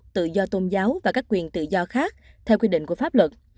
tự do tôn giáo và các quyền tự do khác theo quy định của pháp luật